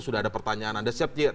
sudah ada pertanyaan anda siap